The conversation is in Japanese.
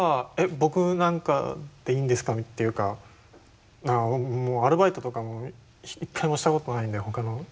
僕なんかでいいんですかっていうかもうアルバイトとかも一回もしたことないんでほかのやつとかを。